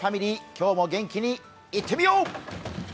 今日も元気にいってみよう！